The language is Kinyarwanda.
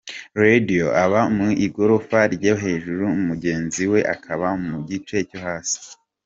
Radio aba mu igorofa ryo hejuru mugenzi we akaba mu gice cyo hasi.